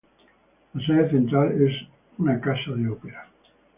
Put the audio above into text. La sede central, es una Casa de Ópera.